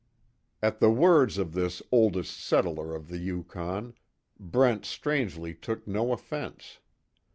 At the words of this oldest settler on the Yukon, Brent strangely took no offense.